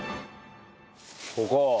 ここ？